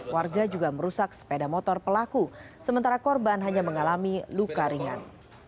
warga juga merusak sepeda motor pelaku sementara korban hanya mengalami luka ringan